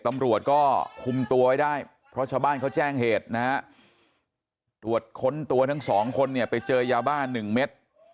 ตำรวจก็คุมตัวไว้ได้เพราะชาวบ้านเขาแจ้งเหตุนะฮะตรวจค้นตัวทั้งสองคนเนี่ยไปเจอยาบ้านหนึ่งเม็ด